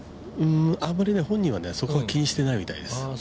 あまり本人はそこは気にしてないみたいです。